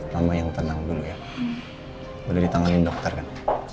mama yang tenang dulu ya boleh ditangani dokter kan